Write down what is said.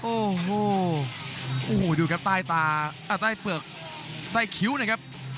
โอ้โหโอ้โหดูครับใต้ตาใต้เปลือกใต้คิ้วนะครับ